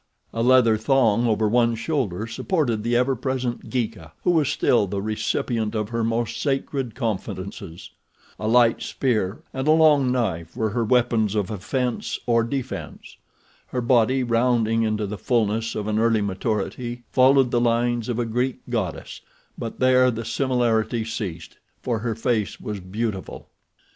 A leather thong over one shoulder supported the ever present Geeka who was still the recipient of her most sacred confidences. A light spear and a long knife were her weapons of offense or defense. Her body, rounding into the fulness of an early maturity, followed the lines of a Greek goddess; but there the similarity ceased, for her face was beautiful.